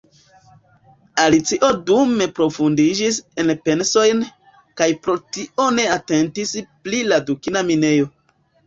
Alicio dume profundiĝis en pensojn, kaj pro tio ne atentis pri la dukina minejo.